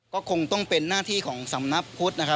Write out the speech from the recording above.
ก็คงต้องเป็นหน้าที่ของสำนักพุทธนะครับ